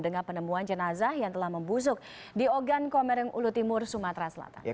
dengan penemuan jenazah yang telah membusuk di ogan komering ulu timur sumatera selatan